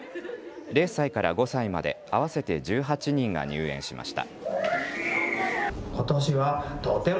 ０歳から５歳まで合わせて１８人が入園しました。